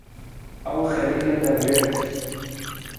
ئەو خەریکە دەمرێت.